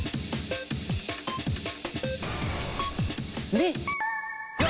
２！